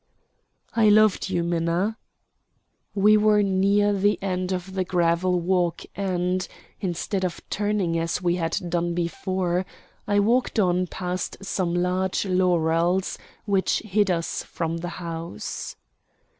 "I loved you, Minna." We were near the end of the gravel walk and, instead of turning as we had done before, I walked on past some large laurels which hid us from the house.